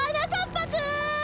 ぱくん！